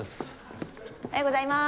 おはようございます。